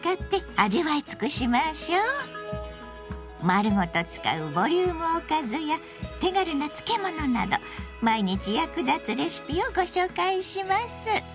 丸ごと使うボリュームおかずや手軽な漬物など毎日役立つレシピをご紹介します！